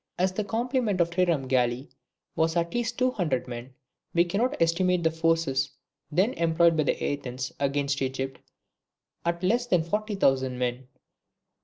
As the complement of a trireme galley was at least two hundred men, we cannot estimate the forces then employed by Athens against Egypt at less than forty thousand men.